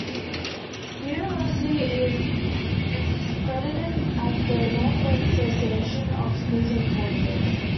The university is accredited by the Northwest Association of Schools and Colleges.